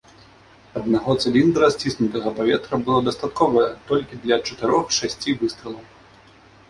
Аднаго цыліндра сціснутага паветра было дастаткова толькі для чатырох-шасці выстралаў.